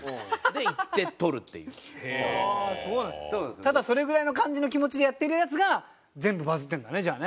ただそれぐらいの感じの気持ちでやってるやつが全部バズってるんだねじゃあね。